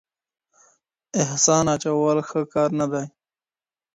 احسان اچول ښه کار نه دی.